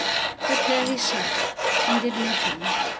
But there he sat, and did nothing.